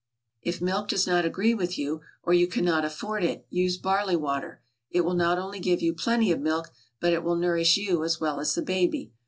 If milk does not agree with you, or you cannot afford it, use barley water; it will not only give you plenty of milk, but it will nourish you as well as the baby.